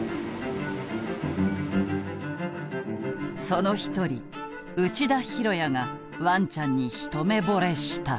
その一人内田博也がワンちゃんに一目ぼれした。